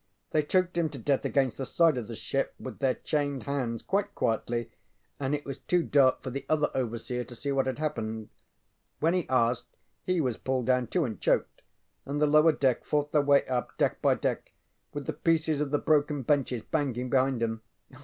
They choked him to death against the side of the ship with their chained hands quite quietly, and it was too dark for the other overseer to see what had happened. When he asked, he was pulled down too and choked, and the lower deck fought their way up deck by deck, with the pieces of the broken benches banging behind ŌĆśem.